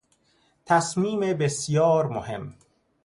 تصمیم بسیار مهم